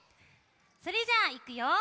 それじゃあいくよ。